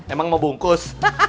emang mau bungkus